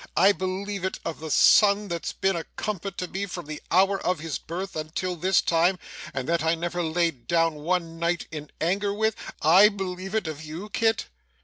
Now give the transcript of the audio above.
I believe it of the son that's been a comfort to me from the hour of his birth until this time, and that I never laid down one night in anger with! I believe it of you Kit!